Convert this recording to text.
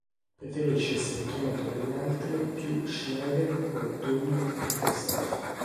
Preferisce essere chiamato dagli altri più Schneider o "Doom" che Christoph.